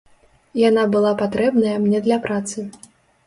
Яна была патрэбная мне для працы.